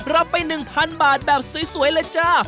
รับไป๑๐๐๐บาทแบบสวยเลยจ้า